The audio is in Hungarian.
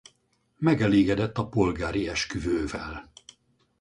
Megelégedett a polgári esküvővel.